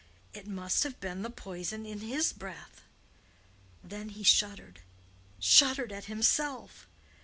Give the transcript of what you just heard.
It must have been the poison in his breath! Then he shuddered—shuddered at himself.